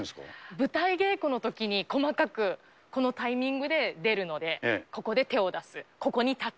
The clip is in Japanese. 舞台稽古のときに細かく、このタイミングで出るので、ここで手を出す、ここに立つ。